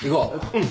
うん。